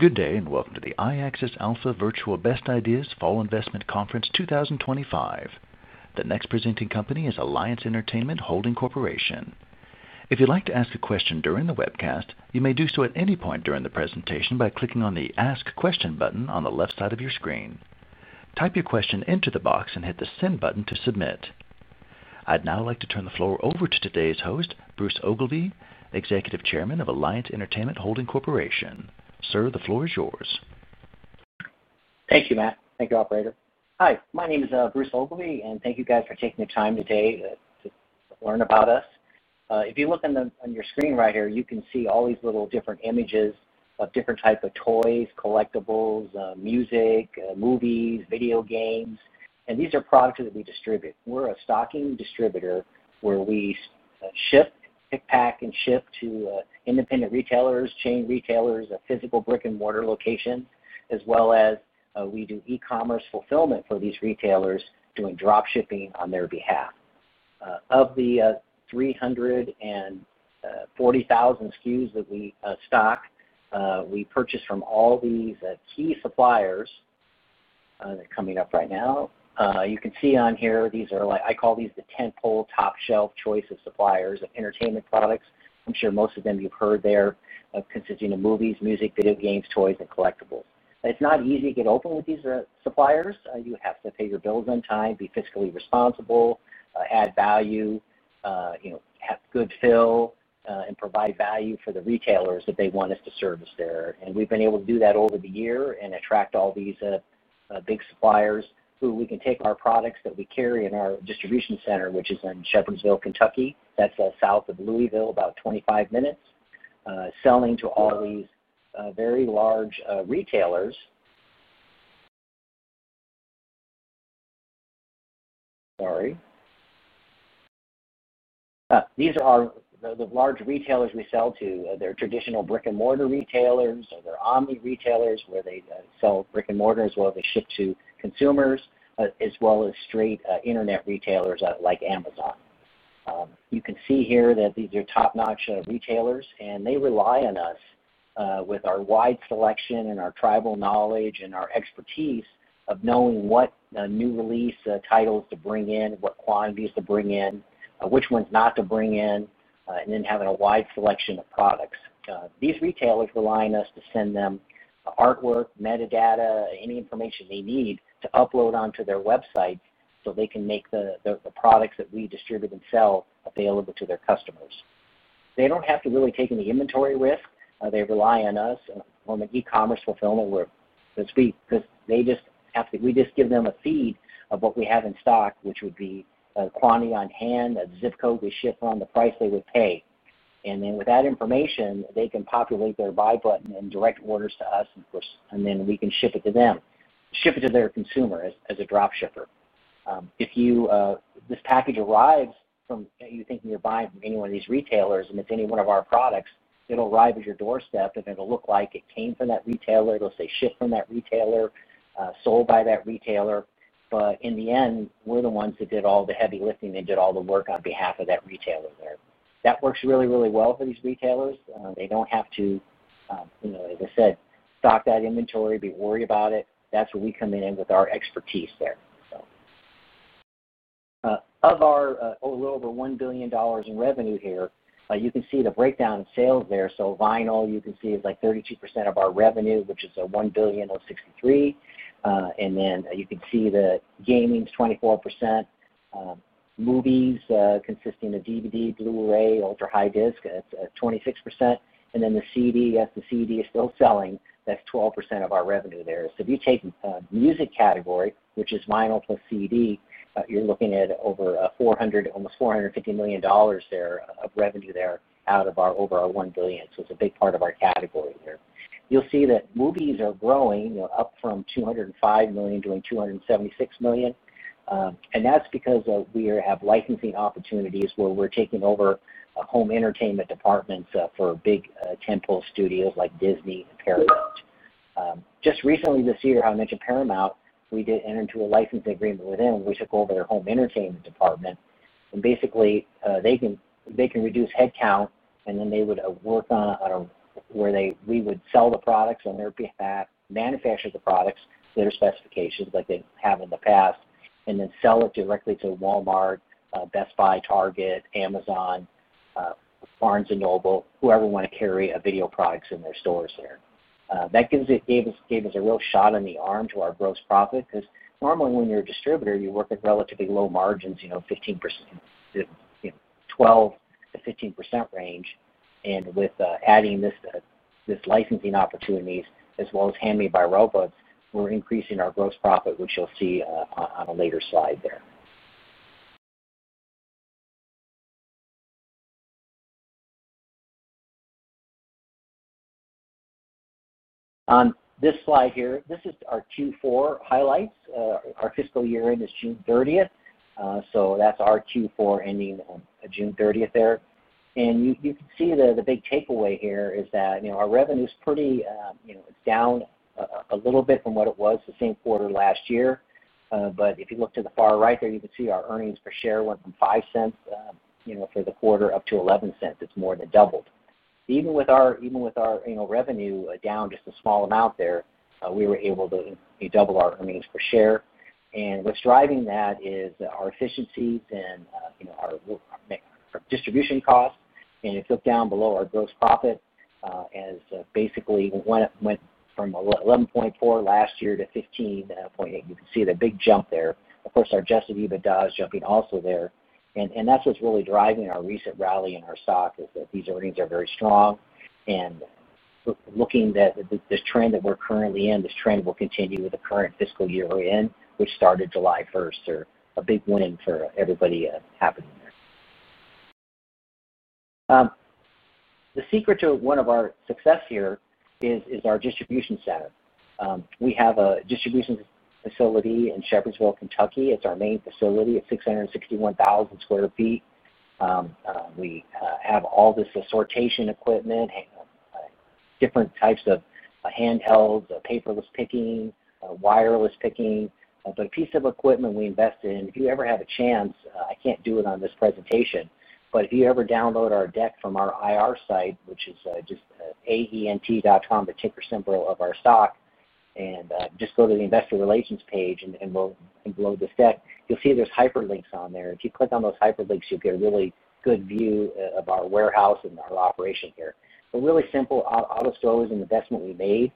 Good day and welcome to the iAccess Alpha Virtual Best Ideas Fall Investment Conference 2025. The next presenting company is Alliance Entertainment Holding Corporation. If you'd like to ask a question during the webcast, you may do so at any point during the presentation by clicking on the Ask Question button on the left side of your screen. Type your question into the box and hit the Send button to submit. I'd now like to turn the floor over to today's host, Bruce Ogilvie, Executive Chairman of Alliance Entertainment Holding Corporation. Sir, the floor is yours. Thank you, Matt. Thank you, operator. Hi, my name is Bruce Ogilvie and thank you guys for taking the time today to learn about us. If you look on your screen right here, you can see all these little different images of different types of toys, collectibles, music, movies, video games, and these are products that we distribute. We're a stocking distributor where we ship, pack, and ship to independent retailers, chain retailers, a physical brick-and-mortar location, as well as we do e-commerce fulfillment for these retailers doing drop shipping on their behalf. Of the 340,000 SKUs that we stock, we purchase from all these key suppliers. They're coming up right now. You can see on here, these are like, I call these the tentpole top shelf choice of suppliers of entertainment products. I'm sure most of them you've heard, they're consisting of movies, music, video games, toys, and collectibles. It's not easy to get open with these suppliers. You have to pay your bills on time, be fiscally responsible, add value, have good fill, and provide value for the retailers that they want us to service there. We've been able to do that over the year and attract all these big suppliers who we can take our products that we carry in our distribution center, which is in Shepherdsville, Kentucky. That's south of Louisville, about 25 minutes, selling to all these very large retailers. These are all the large retailers we sell to. They're traditional brick-and-mortar retailers. They're omni retailers where they sell brick-and-mortar as well as they ship to consumers, as well as straight internet retailers like Amazon. You can see here that these are top-notch retailers and they rely on us with our wide selection and our tribal knowledge and our expertise of knowing what new release titles to bring in, what quantities to bring in, which ones not to bring in, and then having a wide selection of products. These retailers rely on us to send them artwork, metadata, any information they need to upload onto their website so they can make the products that we distribute and sell available to their customers. They don't have to really take any inventory with. They rely on us on the e-commerce fulfillment, so to speak, because we just give them a feed of what we have in stock, which would be a quantity on hand, a zip code we ship on, the price they would pay. With that information, they can populate their buy button and direct orders to us, and then we can ship it to them, ship it to their consumer as a drop shipper. If this package arrives from, you think you're buying from any one of these retailers and it's any one of our products, it'll arrive at your doorstep and it'll look like it came from that retailer. It'll say shipped from that retailer, sold by that retailer. In the end, we're the ones that did all the heavy lifting and did all the work on behalf of that retailer. That works really, really well for these retailers. They don't have to, as I said, stock that inventory, be worried about it. That's where we come in with our expertise. Of our a little over $1 billion in revenue here, you can see the breakdown of sales. Vinyl, you can see, is like 32% of our revenue, which is $1 billion of 63. Gaming is 24%, movies consisting of DVD, Blu-ray, ultra high disc at 26%, and then the CD, yes, the CD is still selling. That's 12% of our revenue. If you take the music category, which is vinyl plus CD, you're looking at over $400 million, almost $450 million of revenue out of our over $1 billion. It's a big part of our category. You'll see that movies are growing, up from $205 million to $276 million. That's because we have licensing opportunities where we're taking over home entertainment departments for big tentpole studios like Disney and Paramount. Just recently this year, I mentioned Paramount, we did enter into a licensing agreement with them. We took over their home entertainment department. Basically, they can reduce headcount and then they would work on where we would sell the products on their behalf, manufacture the products to their specifications like they have in the past, and then sell it directly to Walmart, Best Buy, Target, Amazon, Barnes & Noble, whoever wants to carry a video product in their stores. That gave us a real shot in the arm to our gross profit because normally when you're a distributor, you work at relatively low margins, 15%, 12% to 15% range. With adding this licensing opportunities, as well as Handmade by Robots, we're increasing our gross profit, which you'll see on a later slide. On this slide, this is our Q4 highlights. Our fiscal year end is June 30. That's our Q4 ending June 30. You can see the big takeaway here is that our revenue is pretty down a little bit from what it was the same quarter last year. If you look to the far right there, you can see our earnings per share went from $0.05 for the quarter up to $0.11. It's more than doubled. Even with our revenue down just a small amount there, we were able to double our earnings per share. What's driving that is our efficiencies and our distribution costs. If you look down below, our gross profit has basically gone from $11.4 million last year to $15.8 million. You can see the big jump there. Of course, our adjusted EBITDA is jumping also there. That's what's really driving our recent rally in our stock, that these earnings are very strong. Looking at this trend that we're currently in, this trend will continue with the current fiscal year end, which started July 1, a big win for everybody happening there. The secret to one of our successes here is our distribution center. We have a distribution facility in Shepherdsville, Kentucky. It's our main facility at 661,000 square feet. We have all this sortation equipment, different types of handheld, paperless picking, wireless picking, but a piece of equipment we invest in. If you ever have a chance, I can't do it on this presentation, but if you ever download our deck from our IR site, which is just aent.com, the ticker symbol of our stock, and just go to the investor relations page and load this deck, you'll see there's hyperlinks on there. If you click on those hyperlinks, you'll get a really good view of our warehouse and our operation here. A really simple AutoStore was an investment we made.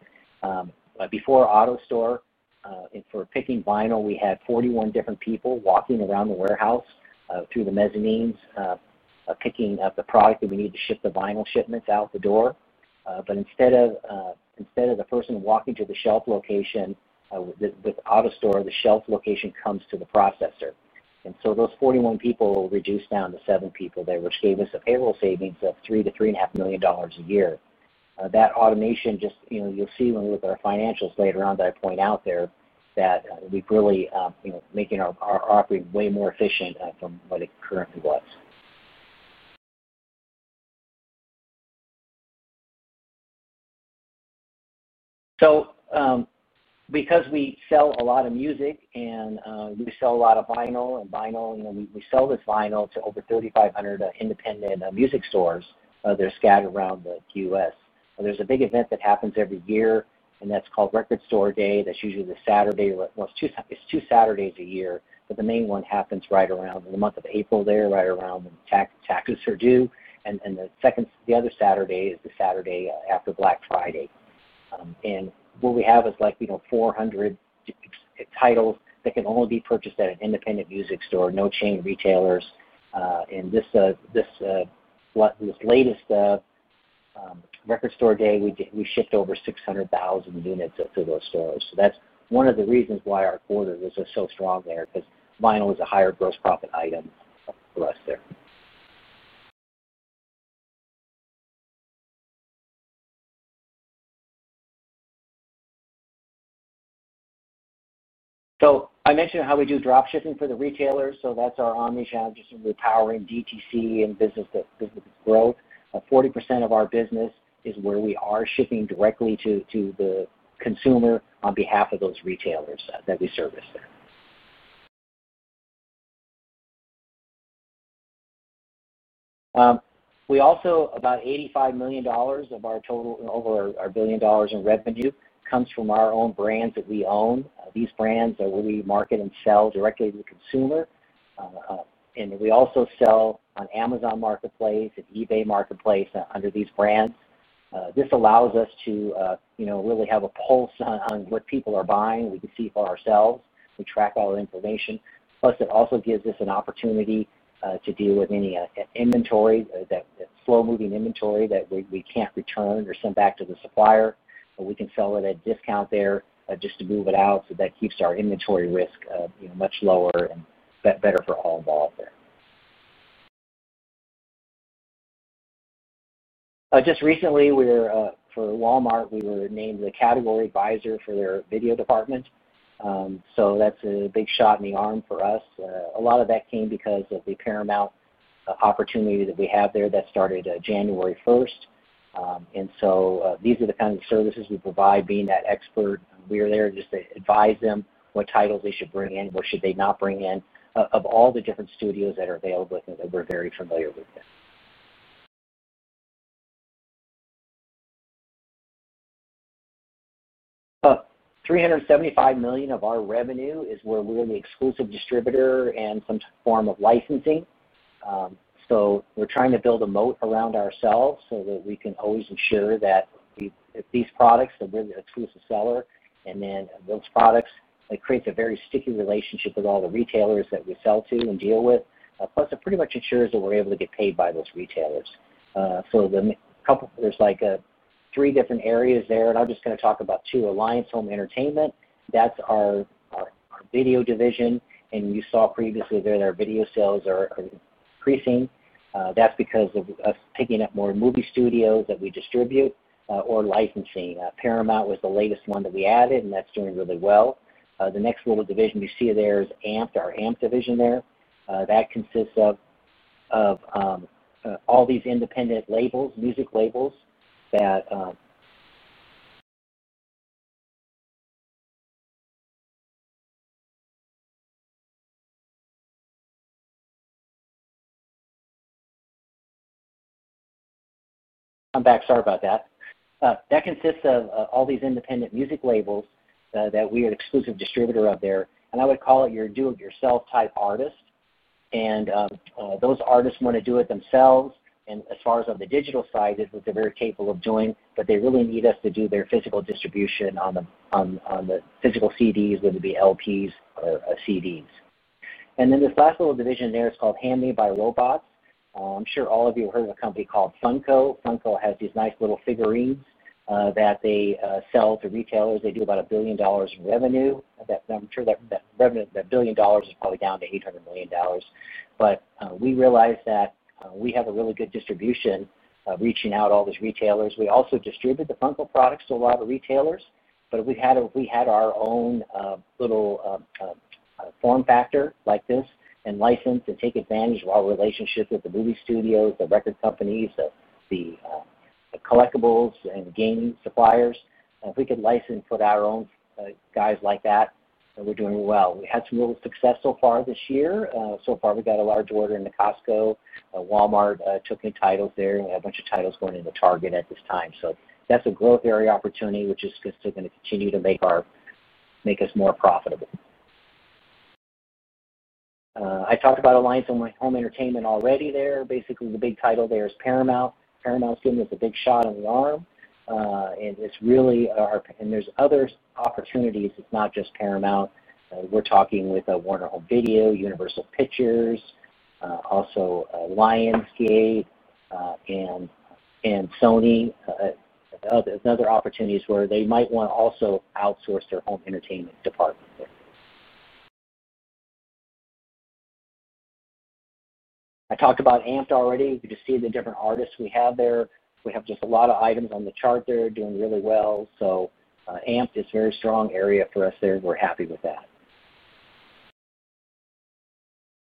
Before AutoStore, for picking vinyl, we had 41 different people walking around the warehouse through the mezzanines, picking up the product that we need to ship the vinyl shipments out the door. Instead of the person walking to the shelf location, the AutoStore, the shelf location comes to the processor. Those 41 people reduced down to seven people there, which gave us a payroll savings of $3 million to $3.5 million a year. That automation, you'll see when we look at our financials later on, I point out there that we've really made our operating way more efficient from what it currently was. Because we sell a lot of music and we sell a lot of vinyl, and then we sell this vinyl to over 3,500 independent music stores that are scattered around the U.S. There's a big event that happens every year, and that's called Record Store Day. That's usually the Saturday, well, it's two Saturdays a year, but the main one happens right around the month of April there, right around tax time. The second, the other Saturday is the Saturday after Black Friday. What we have is like 400 titles that can only be purchased at an independent music store, no chain retailers. This latest Record Store Day, we shipped over 600,000 units to those stores. That's one of the reasons why our quarter was so strong there because vinyl is a higher gross profit item for us there. I mentioned how we do drop shipping for the retailers. That's our omnichannel just repowering DTC and business-to-business growth. 40% of our business is where we are shipping directly to the consumer on behalf of those retailers that we service there. We also, about $85 million of our total, over our billion dollars in revenue, comes from our own brands that we own. These brands that we market and sell directly to the consumer. We also sell on Amazon Marketplace and eBay Marketplace under these brands. This allows us to really have a pulse on what people are buying. We can see for ourselves. We track all the information. Plus, it also gives us an opportunity to deal with any inventory, that slow-moving inventory that we can't return or send back to the supplier. We can sell it at a discount there just to move it out. That keeps our inventory risk much lower and better for all involved there. Just recently, for Walmart, we were named the category advisor for their video department. That's a big shot in the arm for us. A lot of that came because of the Paramount opportunity that we have there that started January 1, and these are the kinds of services we provide, being that expert. We're there just to advise them what titles they should bring in, what should they not bring in, of all the different studios that are available, and we're very familiar with them. $375 million of our revenue is where we're the exclusive distributor and some form of licensing. We're trying to build a moat around ourselves so that we can always ensure that these products, that we're the exclusive seller, and then those products, it creates a very sticky relationship with all the retailers that we sell to and deal with. Plus, it pretty much ensures that we're able to get paid by those retailers. There are like three different areas there, and I'm just going to talk about two. Alliance Home Entertainment, that's our video division, and you saw previously there, their video sales are increasing. That's because of us picking up more movie studios that we distribute or licensing. Paramount was the latest one that we added, and that's doing really well. The next little division you see there is AMP, our AMP division there. That consists of all these independent labels, music labels that I'm back. Sorry about that. That consists of all these independent music labels that we are an exclusive distributor of there. I would call it your do-it-yourself type artists. Those artists want to do it themselves. As far as on the digital side, they're very capable of doing, but they really need us to do their physical distribution on the physical CDs, whether it be LPs or CDs. This last little division there is called Handmade by Robots. I'm sure all of you have heard of a company called Funko. Funko has these nice little figurines that they sell to retailers. They do about $1 billion in revenue. I'm sure that that revenue, that $1 billion is probably down to $800 million. We realized that we have a really good distribution reaching out to all these retailers. We also distribute the Funko products to a lot of retailers, but we had our own little form factor like this and licensed and take advantage of our relationship with the movie studios, the record companies, the collectibles, and the gaming suppliers. If we could license and put our own guys like that, we're doing well. We had some real success so far this year. So far, we've got a large order into Costco. Walmart took in titles there, and we had a bunch of titles going into Target at this time. That's a growth area opportunity, which is just going to continue to make us more profitable. I talked about Alliance Home Entertainment already there. Basically, the big title there is Paramount. Paramount's giving us a big shot in the arm. There are other opportunities. It's not just Paramount. We're talking with Warner Home Video, Universal Pictures, also Lionsgate, and Sony Pictures. Other opportunities where they might want to also outsource their home entertainment department there. I talked about AMPED already. You can just see the different artists we have there. We have just a lot of items on the chart there, doing really well. AMPED is a very strong area for us there. We're happy with that.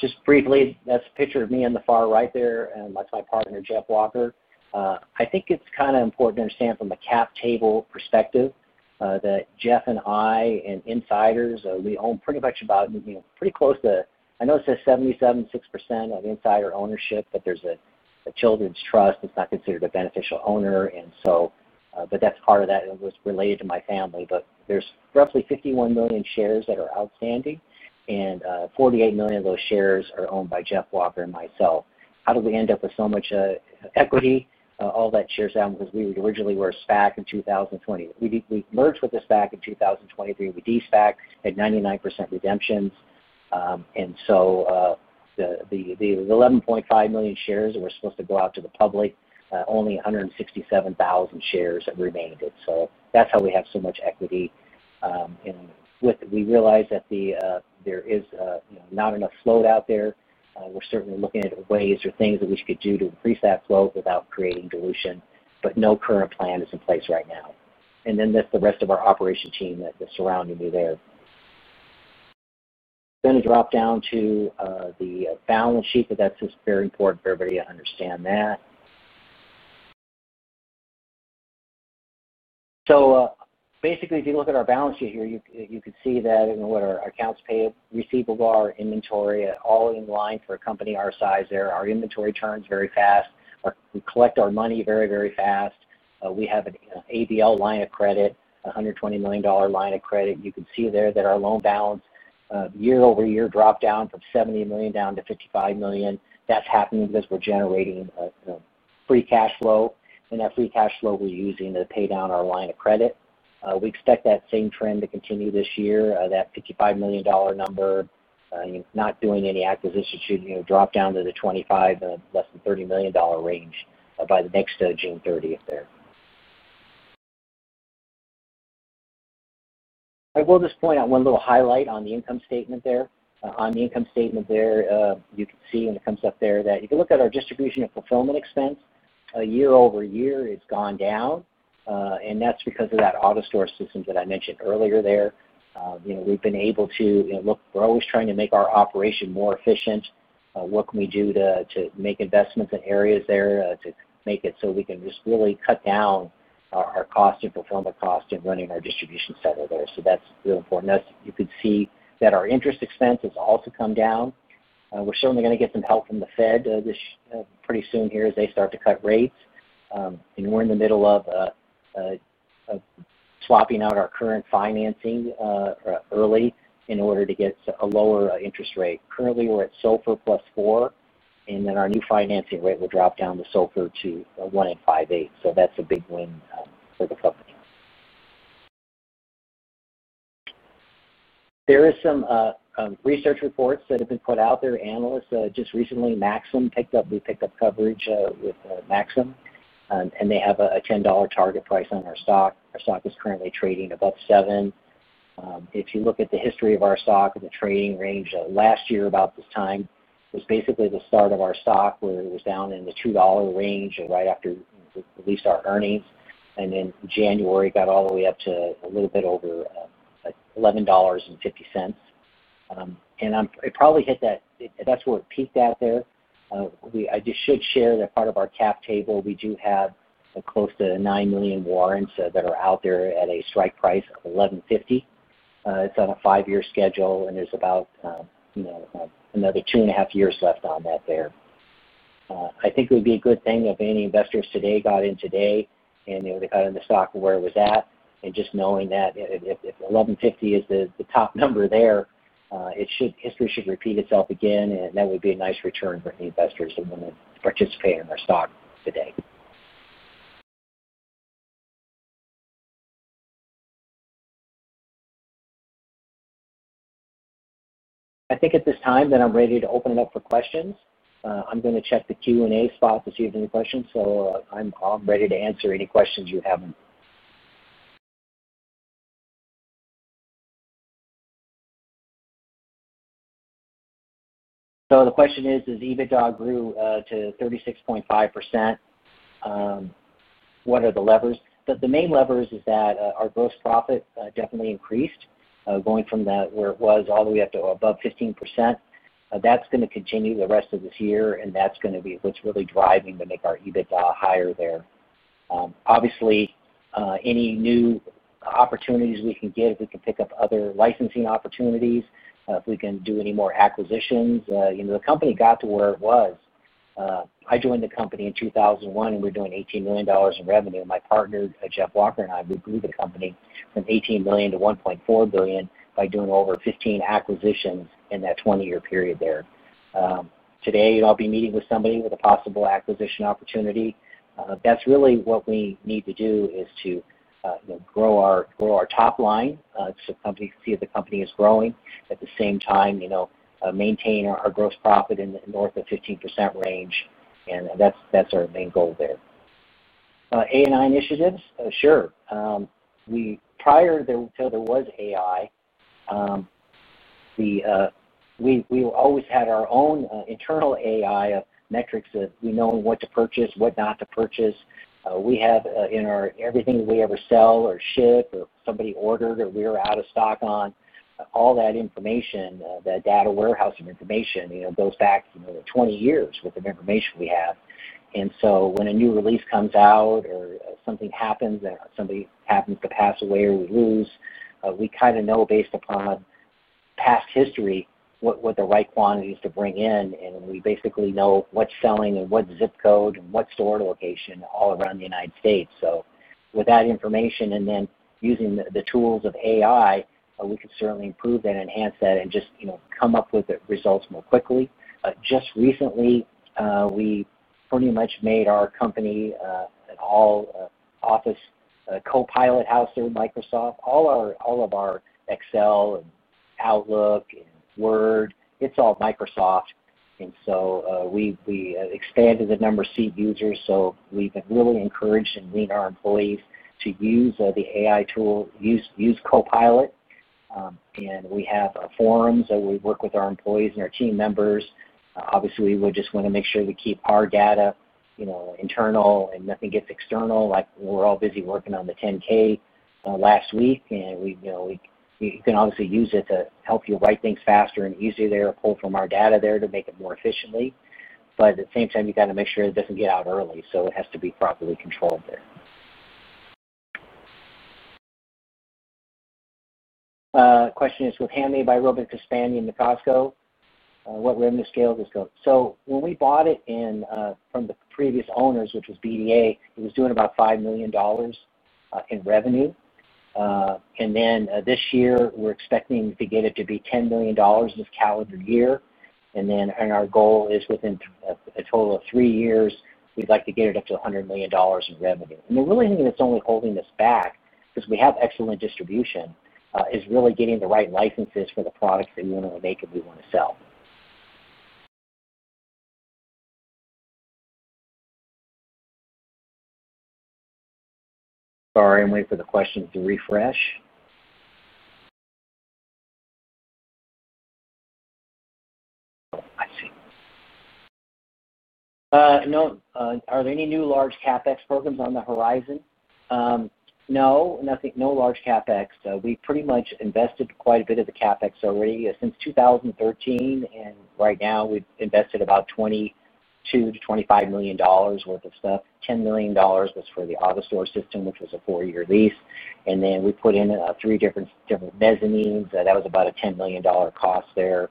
Just briefly, that's a picture of me on the far right there, and that's my partner, Jeff Walker. I think it's kind of important to understand from a cap table perspective that Jeff and I and insiders, we own pretty much about, you know, pretty close to, I know it says 77% of insider ownership, but there's a children's trust that's not considered a beneficial owner. That's part of that, and it was related to my family. There's roughly 51 million shares that are outstanding, and 48 million of those shares are owned by Jeff Walker and myself. How did we end up with so much equity? All that shares down because we originally were a SPAC in 2020. We merged with the SPAC in 2023. We de-SPAC, had 99% redemptions. The 11.5 million shares that were supposed to go out to the public, only 167,000 shares remained. That's how we have so much equity. We realize that there is not enough float out there. We're certainly looking at ways or things that we could do to increase that float without creating dilution, but no current plan is in place right now. That's the rest of our operation team that's surrounding me there. I'm going to drop down to the balance sheet, but that's just very important for everybody to understand that. If you look at our balance sheet here, you can see that, you know, where our accounts receivable are, our inventory all in line for a company our size there. Our inventory turns very fast. We collect our money very, very fast. We have an ADL line of credit, a $120 million line of credit. You can see there that our loan balance year over year dropped down from $70 million down to $55 million. That's happening because we're generating a free cash flow, and that free cash flow we're using to pay down our line of credit. We expect that same trend to continue this year, that $55 million number, you know, not doing any acquisitions, should drop down to the $25 million, less than $30 million range by the next June 30th there. I will just point out one little highlight on the income statement there. On the income statement there, you can see when it comes up there that you can look at our distribution and fulfillment expense. Year over year, it's gone down. That's because of that AutoStore Automated Storage & Retrieval System that I mentioned earlier. We've been able to, you know, look, we're always trying to make our operation more efficient. What can we do to make investments in areas to make it so we can just really cut down our cost and fulfillment cost and running our distribution stuff over there? That's really important. You can see that our interest expense has also come down. We're certainly going to get some help from the Fed pretty soon here as they start to cut rates. We're in the middle of swapping out our current financing early in order to get a lower interest rate. Currently, we're at SOFR plus 4, and then our new financing rate will drop down to SOFR to 1.625. That's a big win for the company. There are some research reports that have been put out there. Analysts just recently, Maxim, picked up, we picked up coverage with Maxim, and they have a $10 target price on our stock. Our stock is currently trading above $7. If you look at the history of our stock and the trading range last year about this time, it was basically the start of our stock where it was down in the $2 range and right after we released our earnings. In January, it got all the way up to a little bit over $11.50. I probably hit that, that's where it peaked out. I just should share that part of our cap table, we do have close to 9 million warrants that are out there at a strike price of $11.50. It's on a five-year schedule, and there's about another two and a half years left on that. I think it would be a good thing if any investors today got in today and they got in the stock of where it was at. Just knowing that $11.50 is the top number, history should repeat itself again, and that would be a nice return for any investors that want to participate in our stock today. I think at this time that I'm ready to open it up for questions. I'm going to check the Q&A spot to see if there's any questions. I'm ready to answer any questions you have. The question is, as EBITDA grew to 36.5%, what are the levers? The main levers is that our gross profit definitely increased, going from that where it was all the way up to above 15%. That's going to continue the rest of this year, and that's going to be what's really driving to make our EBITDA higher there. Obviously, any new opportunities we can get, if we can pick up other licensing opportunities, if we can do any more acquisitions, the company got to where it was. I joined the company in 2001, and we were doing $18 million in revenue. My partner, Jeff Walker, and I moved the company from $18 million to $1.4 billion by doing over 15 acquisitions in that 20-year period there. Today, I'll be meeting with somebody with a possible acquisition opportunity. That's really what we need to do is to grow our top line so the company can see if the company is growing. At the same time, maintain our gross profit in the north of 15% range. That's our main goal there. AI initiatives, sure. Prior to that, there was AI. We always had our own internal AI of metrics that we know what to purchase, what not to purchase. We have in our everything that we ever sell or ship or somebody orders that we're out of stock on. All that information, that data warehouse of information, goes back to the 20 years with the information we have. When a new release comes out or something happens that somebody happens to pass away or we lose, we kind of know based upon past history what the right quantity is to bring in. We basically know what's selling and what zip code and what store location all around the United States. With that information and then using the tools of AI, we can certainly improve that and enhance that and just come up with the results more quickly. Just recently, we pretty much made our company an all-office Copilot house through Microsoft. All of our Excel, Outlook, and Word, it's all Microsoft. We expanded the number of seat users. We've really encouraged and weaned our employees to use the AI tool, use Copilot. We have forums that we work with our employees and our team members. Obviously, we just want to make sure we keep our data internal and nothing gets external. Like we're all busy working on the 10K last week, and you can obviously use it to help you write things faster and easier there, pull from our data there to make it more efficiently. At the same time, you got to make sure it doesn't get out early. It has to be properly controlled there. The question is, with Handmade by Robots to span in the Costco, what revenue scale is going? When we bought it from the previous owners, which was BDA, it was doing about $5 million in revenue. This year, we're expecting to get it to be $10 million this calendar year. Our goal is within a total of three years, we'd like to get it up to $100 million in revenue. The only thing that's holding us back, because we have excellent distribution, is really getting the right licenses for the products that we want to make and we want to sell. Sorry, I'm waiting for the questions to refresh. Are there any new large CapEx programs on the horizon? No, nothing, no large CapEx. We've pretty much invested quite a bit of the CapEx already since 2013. Right now, we've invested about $22 to $25 million worth of stuff. $10 million was for the AutoStore Automated Storage & Retrieval System, which was a four-year lease. We put in three different mezzanines. That was about a $10 million cost there.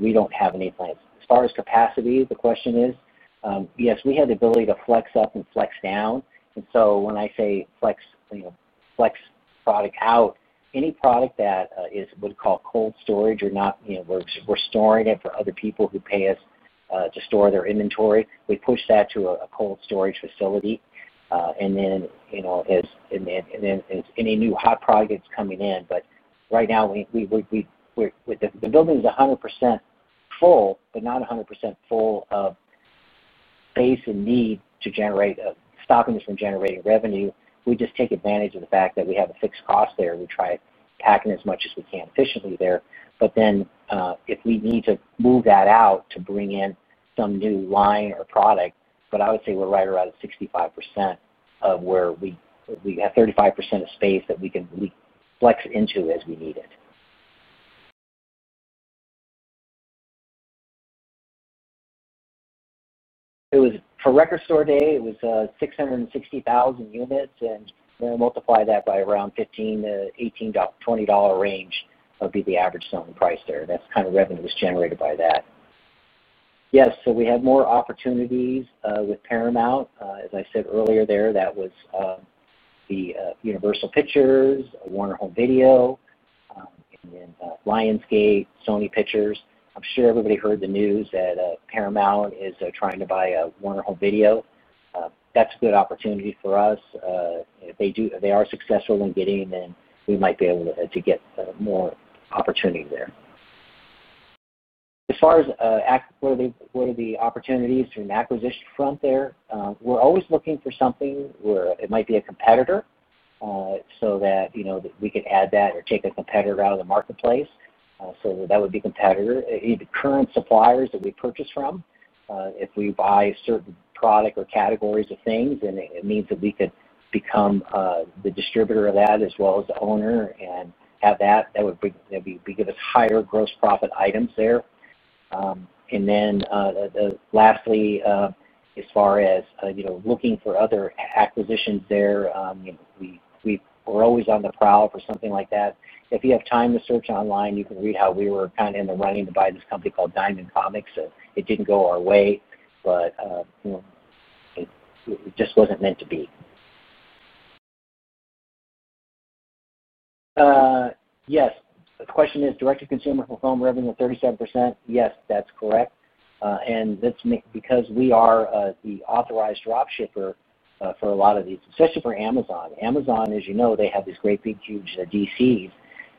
We don't have any plan. As far as capacity, the question is, yes, we have the ability to flex up and flex down. When I say flex, you know, flex product out, any product that is what we call cold storage or not, you know, we're storing it for other people who pay us to store their inventory. We push that to a cold storage facility. If there's a new hot product that's coming in, right now, the building is 100% full, but not 100% full of base and need to generate, stopping us from generating revenue. We just take advantage of the fact that we have a fixed cost there. We try to pack in as much as we can efficiently there. If we need to move that out to bring in some new line or product, I would say we're right around 65% of where we have 35% of space that we can flex into as we need it. It was for Record Store Day, it was 660,000 units, and then I multiply that by around $15 to $18, $20 range would be the average selling price there. That's kind of revenue that's generated by that. Yes, we have more opportunities with Paramount. As I said earlier, that was Universal Pictures, Warner Home Video, and then Lionsgate, Sony Pictures. I'm sure everybody heard the news that Paramount is trying to buy Warner Home Video. That's a good opportunity for us. If they are successful in getting them, we might be able to get more opportunity there. As far as what are the opportunities from an acquisition front there, we're always looking for something where it might be a competitor so that, you know, we could add that or take a competitor out of the marketplace. That would be a competitor. The current suppliers that we purchase from, if we buy certain products or categories of things, then it means that we could become the distributor of that as well as the owner and have that. That would give us higher gross profit items there. Lastly, as far as, you know, looking for other acquisitions there, we're always on the prowl for something like that. If you have time to search online, you can read how we were kind of in the running to buy this company called Diamond Comics. It didn't go our way, but it just wasn't meant to be. Yes, the question is, direct-to-consumer fulfillment revenue at 37%. Yes, that's correct. That's because we are the authorized drop shipper for a lot of these, especially for Amazon. Amazon, as you know, they have these great big huge DCs.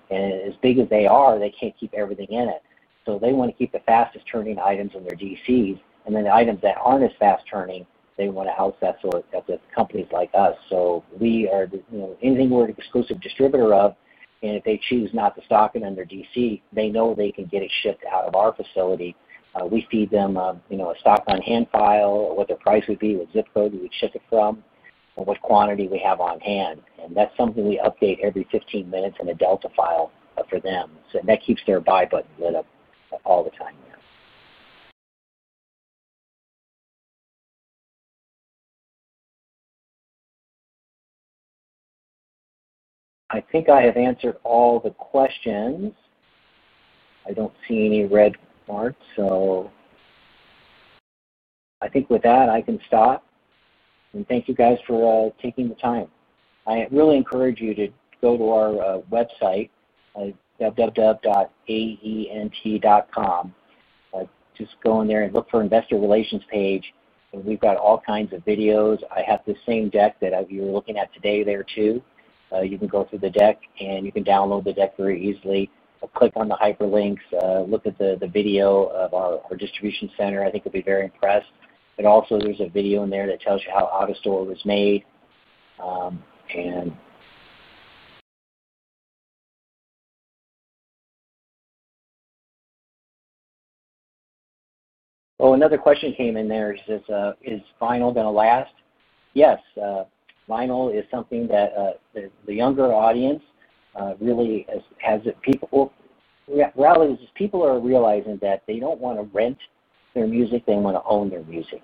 As big as they are, they can't keep everything in it. They want to keep the fastest turning items in their DCs. The items that aren't as fast turning, they want to house that for companies like us. We are, you know, anything we're an exclusive distributor of, and if they choose not to stock it in their DC, they know they can get it shipped out of our facility. We feed them, you know, a stock on hand file of what their price would be, what zip code we ship it from, and what quantity we have on hand. That's something we update every 15 minutes in a Delta file for them. That keeps their buy button lit up all the time there. I think I have answered all the questions. I don't see any red marks, so I think with that, I can stop. Thank you guys for taking the time. I really encourage you to go to our website, www.aent.com. Just go in there and look for the investor relations page. We've got all kinds of videos. I have the same deck that you were looking at today there too. You can go through the deck and you can download the deck very easily. Click on the hyperlinks, look at the video of our distribution center. I think you'll be very impressed. Also, there's a video in there that tells you how AutoStore was made. Oh, another question came in there. Is vinyl going to last? Yes, vinyl is something that the younger audience really has it. People are realizing that they don't want to rent their music. They want to own their music.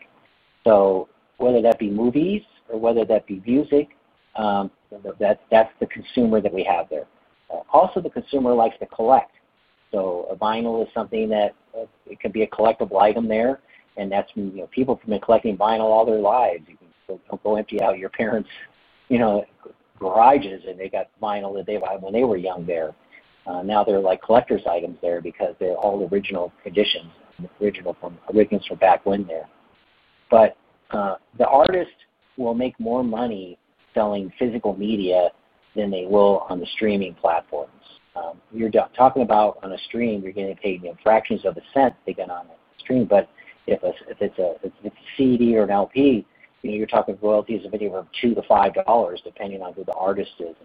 Whether that be movies or whether that be music, that's the consumer that we have there. Also, the consumer likes to collect. Vinyl is something that can be a collectible item. People have been collecting vinyl all their lives. You can go empty out your parents' garages and they've got vinyl that they bought when they were young. Now they're like collector's items because they're all original condition, original from back when. The artist will make more money selling physical media than they will on the streaming platforms. You're talking about on a stream, you're going to take fractions of a cent to get on a stream. If it's a CD or an LP, you're talking royalties of anywhere from $2 to $5, depending on who the artist is.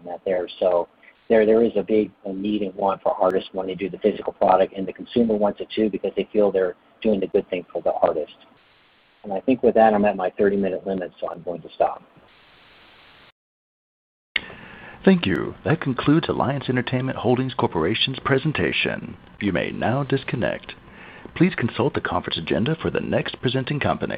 There is a big need and want for artists wanting to do the physical product, and the consumer wants it too because they feel they're doing the good thing for the artist. I think with that, I'm at my 30-minute limit, so I'm going to stop. Thank you. That concludes Alliance Entertainment Holding Corporation's presentation. You may now disconnect. Please consult the conference agenda for the next presenting company.